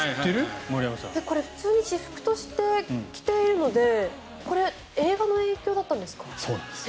普通に私服として着ているので映画の影響だったんですか？